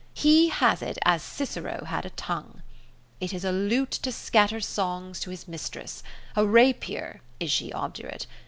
He has it as Cicero had a tongue. It is a lute to scatter songs to his mistress; a rapier, is she obdurate.